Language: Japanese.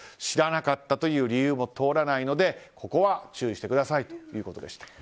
知らなかったという理由も通らないので注意してくださいということです。